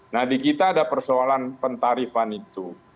nah di kita ada persoalan pentarifan itu